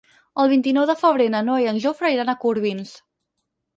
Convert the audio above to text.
El vint-i-nou de febrer na Noa i en Jofre iran a Corbins.